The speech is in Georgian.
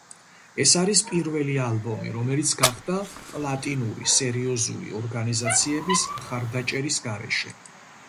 ეს არის პირველი ალბომი, რომელიც გახდა პლატინური სერიოზული ორგანიზაციების მხარდაჭერის გარეშე.